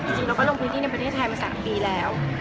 จริงเราก็ลงพื้นที่ในประเทศไทยมา๓ปีแล้ว